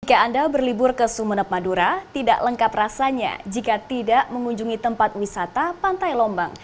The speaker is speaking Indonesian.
jika anda berlibur ke sumeneb madura tidak lengkap rasanya jika tidak mengunjungi tempat wisata pantai lombang